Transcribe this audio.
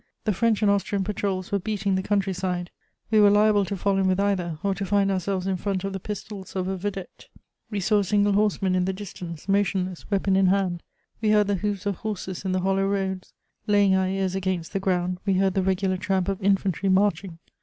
The French and Austrian patrols were beating the country side: we were liable to fall in with either, or to find ourselves in front of the pistols of a vedette. We saw single horsemen in the distance, motionless, weapon in hand; we heard the hoofs of horses in the hollow roads; laying our ears against the ground, we heard the regular tramp of infantry marching.